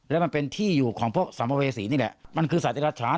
แล้วมันเป็นที่อยู่ของพวกสำประเวศีนี่แหละมันคือสัตว์เดียวล่ะจ๋า